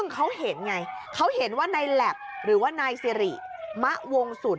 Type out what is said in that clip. เขาเห็นไงกอลแสมีนีแค่และมะวงสุณ